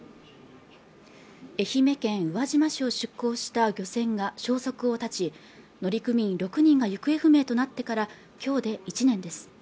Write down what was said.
愛媛県宇和島市を出港した漁船が消息を絶ち乗組員６人が行方不明となってからきょうで１年です